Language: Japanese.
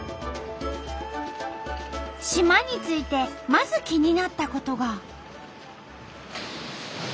島に着いてまず気になったことが。